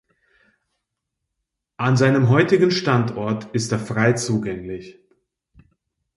An seinem heutigen Standort ist er frei zugänglich.